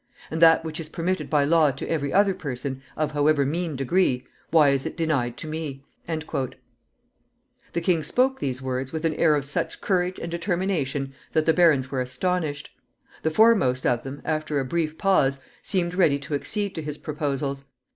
And that which is permitted by law to every other person, of however mean degree, why is it denied to me?" The king spoke these words with an air of such courage and determination that the barons were astonished. The foremost of them, after a brief pause, seemed ready to accede to his proposals.